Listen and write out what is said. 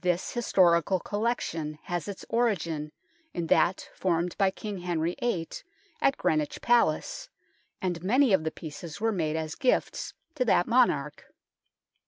This historical collection has its origin in that formed by King Henry VIII at Greenwich Palace, and many of the pieces were made as gifts to that monarch.